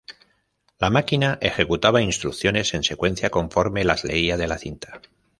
La máquina ejecutaba instrucciones en secuencia, conforme las leía de la cinta.